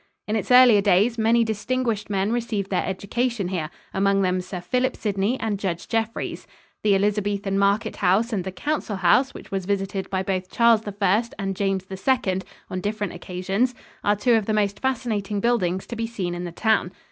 In its earlier days, many distinguished men received their education here, among them Sir Philip Sidney and Judge Jeffreys. The Elizabethan market house and the council house which was visited by both Charles I and James II on different occasions are two of the most fascinating buildings to be seen in the town.